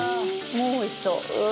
もう、おいしそう。